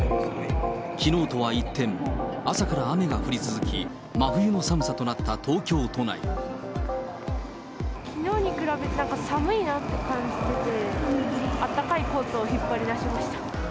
きのうとは一転、朝から雨が降り続き、真冬の寒さとなった東きのうに比べて、なんか寒いなって感じてて、あったかいコートを引っ張り出しました。